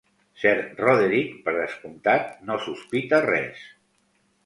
Sir Roderick, per descomptat, no sospita res.